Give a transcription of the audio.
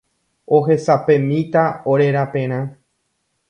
Ohesapemíta ore raperã